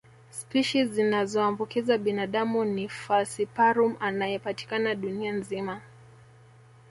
Spishi zinazoambukiza binadamu ni falciparum anayepatikana dunia nzima